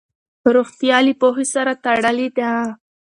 روغتیا له پوهې سره تړلې ده.